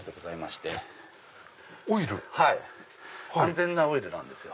安全なオイルなんですよ。